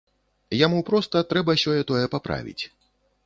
Яму проста трэба сёе-тое паправіць.